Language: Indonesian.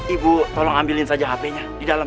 ibu tolong ambilin saja hpnya di dalam ya